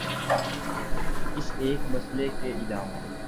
اس ایک مسئلے کے علاوہ